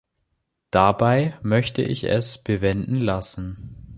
Dabei möchte ich es bewenden lassen.